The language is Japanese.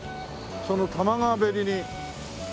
その多摩川べりに。